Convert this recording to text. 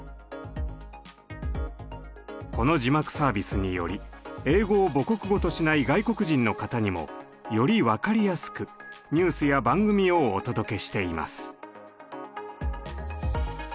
この字幕サービスにより英語を母国語としない外国人の方にもより分かりやすくニュースや番組をお届けしています。